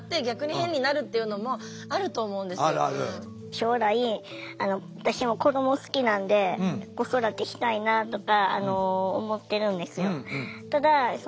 将来私も子ども好きなんで子育てしたいなとか思ってるんですよ。